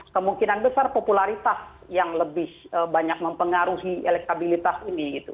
kemungkinan besar popularitas yang lebih banyak mempengaruhi elektabilitas ini gitu